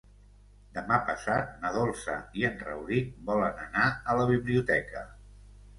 Demà passat na Dolça i en Rauric volen anar a la biblioteca.